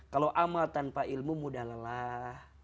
kalau amal tanpa ilmu mudah lelah